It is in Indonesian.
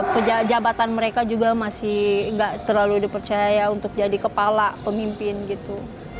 pejabat mereka juga masih gak terlalu dipercaya untuk jadi kepala pemimpin gitu